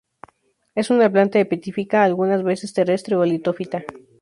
Es una planta epífita, algunas veces terrestre o litófita.